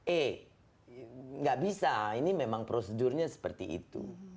eh nggak bisa ini memang prosedurnya seperti itu